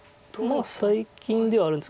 最近ではあるんです。